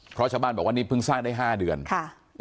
เพราะชาวบ้านบอกว่านี่เพิ่งสร้างได้๕เดือนค่ะ